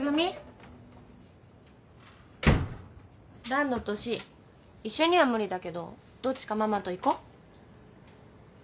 ランドとシー一緒には無理だけどどっちかママと行こう。